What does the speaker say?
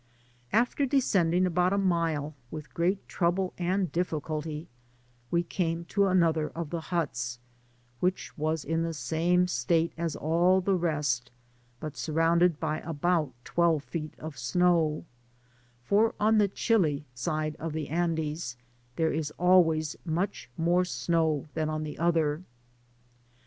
'* After descending about a mile with great trouble and difficulty, we came to another of the huts, which was in the same state as all the rest, but surrounded by about twelve feet of snow ; for on the Chili side oi the Andes there is always much more snow than on the other.